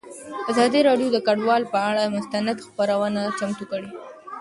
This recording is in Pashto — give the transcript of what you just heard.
ازادي راډیو د کډوال پر اړه مستند خپرونه چمتو کړې.